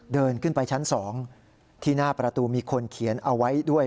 เดินขึ้นไปชั้น๒ที่หน้าประตูมีคนเขียนเอาไว้ด้วย